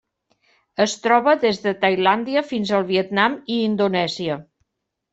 Es troba des de Tailàndia fins al Vietnam i Indonèsia.